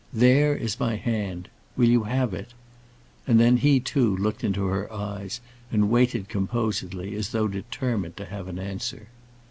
There is my hand. Will you have it?" And then he, too, looked into her eyes, and waited composedly, as though determined to have an answer.